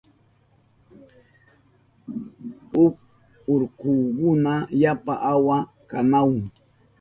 huk urkukuna yapa awa kanahun.